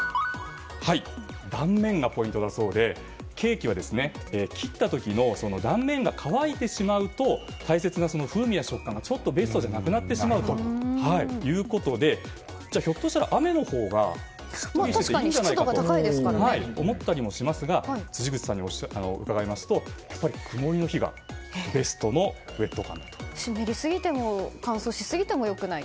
断面がポイントだそうでケーキは切った時の断面が乾いてしまうと大切な風味や食感がちょっとベストじゃなくなってしまうということでひょっとしたら雨のほうがいいんじゃないかと思ったりもしますが辻口さんに伺いますと曇りの日が曇りの日がベストのウェット感だと。湿りすぎても乾燥しすぎてもよくない。